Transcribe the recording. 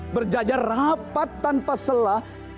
berjajar rapat tanpa sela